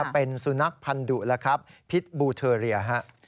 เป็นสุนัขพันธุแล้วครับพิษบูเทอเรีย